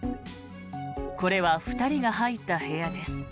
これは２人が入った部屋です。